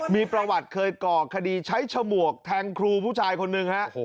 มีประวัติเคยก่อคดีใช้ฉมวกแทงครูผู้ชายคนหนึ่งฮะ